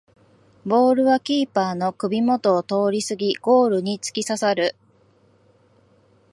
ボールはキーパーの首もとを通りすぎゴールにつきささる